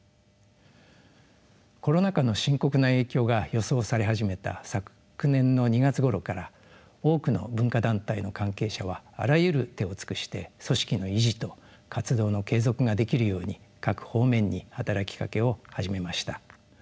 コロナ禍の深刻な影響が予想され始めた昨年の２月ごろから多くの文化団体の関係者はあらゆる手を尽くして組織の維持と活動の継続ができるように各方面に働きかけを始めました。